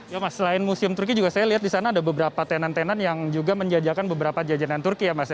ya mas selain museum turki juga saya lihat di sana ada beberapa tenan tenan yang juga menjajakan beberapa jajanan turki ya mas ya